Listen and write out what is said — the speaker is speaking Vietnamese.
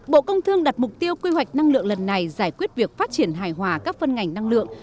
bộ công thương đặt mục tiêu quy hoạch năng lượng lần này giải quyết việc phát triển hài hòa các phân ngành năng lượng